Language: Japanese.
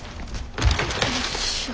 よいしょ。